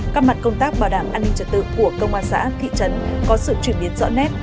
các mặt công tác bảo đảm an ninh trật tự của công an xã thị trấn có sự chuyển biến rõ nét